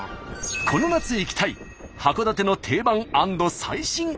この夏行きたい函館の定番＆最新。